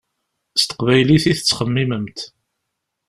S teqbaylit i tettxemmimemt.